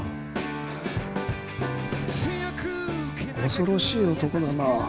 恐ろしい男だな。